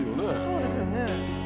そうですよね。